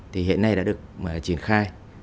thì hiện nay đã được triển khai